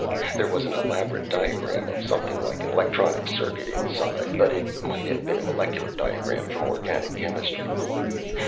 There was an elaborate diagram of something like an electronic circuit inside, but it might have been a molecular diagram from organic chemistry.